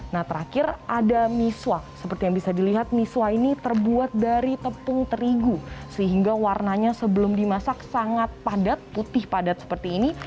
nah terakhir ada misua seperti yang bisa dilihat misua ini terbuat dari tepung terigu sehingga warnanya sebelum dimasak sangat padat putih padat seperti ini